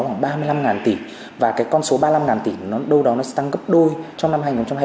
khoảng ba mươi năm tỷ và cái con số ba mươi năm tỷ đâu đó nó sẽ tăng gấp đôi trong năm hai nghìn hai mươi ba